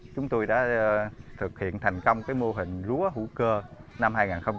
chúng tôi đã thực hiện thành công cái mô hình lúa hữu cơ năm hai nghìn một mươi tám